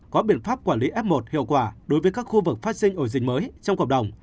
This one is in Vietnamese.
có biện pháp quản lý f một hiệu quả đối với các khu vực phát sinh ổ dịch mới trong cộng đồng